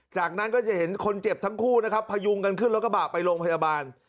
จากนั้นก็จะเห็นคนเจ็บทั้งคู่นะครับพยุงกันขึ้นรถกระบะไปโรงพยาบาล